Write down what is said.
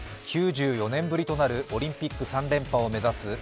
９４年ぶりとなるオリンピック３連覇を目指す